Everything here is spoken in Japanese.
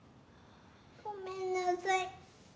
ごめんなさい。